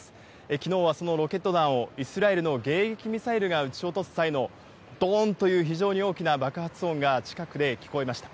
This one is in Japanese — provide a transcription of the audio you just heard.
きのうはそのロケット弾をイスラエルの迎撃ミサイルが撃ち落とす際のどーんという非常に大きな爆発音が近くで聞こえました。